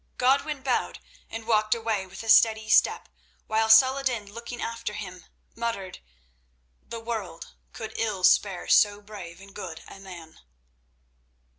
Godwin bowed and walked away with a steady step while Saladin, looking after him, muttered: "The world could ill spare so brave and good a man."